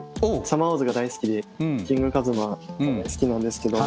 「サマーウォーズ」が大好きでキングカズマ好きなんですけど。